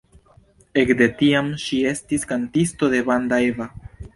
Ekde tiam ŝi estis kantisto de Banda Eva.